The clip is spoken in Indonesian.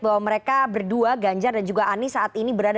bahwa mereka berdua ganjar dan juga anies